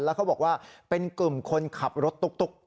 แล้วเขาบอกว่าเป็นกลุ่มคนขับรถตุ๊ก